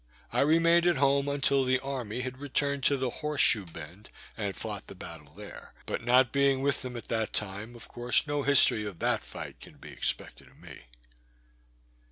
I remained at home until after the army had returned to the Horse shoe bend, and fought the battle there. But not being with them at that time, of course no history of that fight can be expected of me.